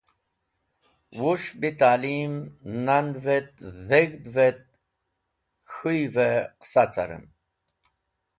Wu’s̃h bitalim nan’v et dheg̃hdev et k̃hũy’v-e qisa carem.